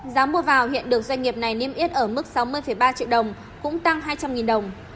giá mua vào hiện được doanh nghiệp này niêm yết ở mức sáu mươi ba triệu đồng cũng tăng hai trăm linh đồng